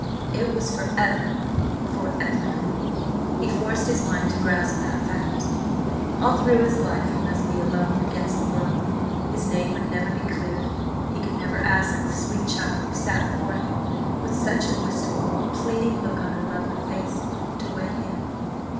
It was for ever–for ever. He forced his mind to grasp that fact. All through his life he must be alone against the world; his name would never be cleared; he could never ask this sweet child who sat before him with such a wistful, pleading look on her lovely face, to wed him.